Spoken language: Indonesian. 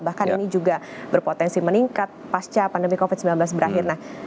bahkan ini juga berpotensi meningkat pasca pandemi covid sembilan belas berakhir